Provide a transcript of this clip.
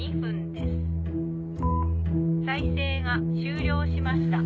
「再生が終了しました」